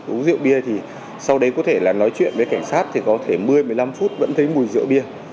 uống rượu bia thì sau đấy có thể là nói chuyện với cảnh sát thì có thể một mươi một mươi năm phút vẫn thấy mùi rượu bia